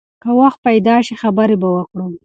که وخت پیدا شي، خبرې به وکړو.